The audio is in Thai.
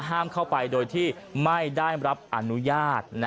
ห้ามเข้าไปโดยที่ไม่ได้รับอนุญาต